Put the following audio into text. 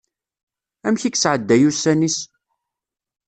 Amek i yesɛedday ussan-is?